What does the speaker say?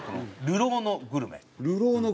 『流浪のグルメ』？